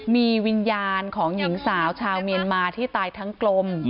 มีวิญญาณของหญิงสาวชาวเมียนมาที่ตายทั้งกลม